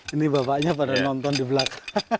ini bapaknya pada nonton di belakang